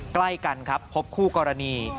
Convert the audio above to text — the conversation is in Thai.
ใกล้กันครับพบคู่กรณี